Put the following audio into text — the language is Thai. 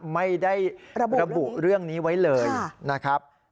ไม่ได้ระบุเรื่องนี้ไว้เลยนะครับ